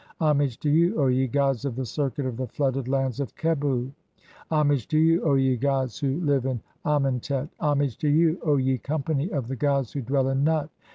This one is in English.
Homage to you, O ye gods of the circuit of "the flooded lands of Qebhu ! Homage to you, O ye gods who "live in Amentet ! (6) Homage to you, O ye company of the "gods who dwell in Nut